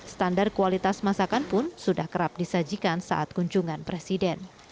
standar kualitas masakan pun sudah kerap disajikan saat kunjungan presiden